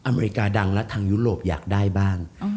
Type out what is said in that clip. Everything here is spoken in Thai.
อเมริกาดังและทางยุโรปอยากได้บ้าง